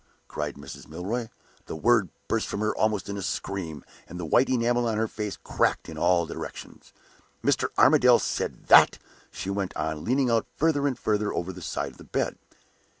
cried Mrs. Milroy. The word burst from her almost in a scream, and the white enamel on her face cracked in all directions. "Mr. Armadale said that?" she went on, leaning out further and further over the side of the bed.